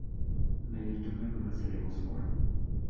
Mediante una grúa se elevó su cuerpo.